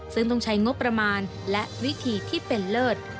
ซึ่งต้องใช้งบประมาณและวิธีที่เป็นเลิศ